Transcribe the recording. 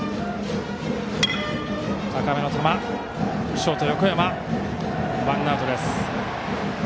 ショート横山がとってワンアウトです。